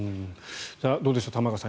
どうでしょう、玉川さん